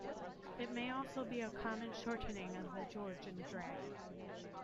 It may also be a common shortening of The George and Dragon.